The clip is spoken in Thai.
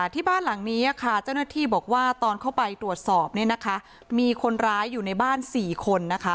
ที่บ้านหลังนี้ค่ะเจ้าหน้าที่บอกว่าตอนเข้าไปตรวจสอบมีคนร้ายอยู่ในบ้าน๔คนนะคะ